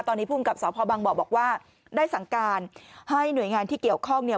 ตอนนี้ภูมิกับสพบังบ่อบอกว่าได้สั่งการให้หน่วยงานที่เกี่ยวข้องเนี่ย